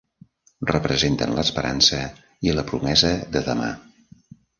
Representen l'esperança i la promesa de demà.